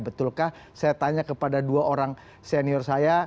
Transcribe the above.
betulkah saya tanya kepada dua orang senior saya